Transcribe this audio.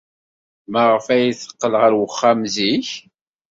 Maɣef ay d-teqqel ɣer wexxam zik?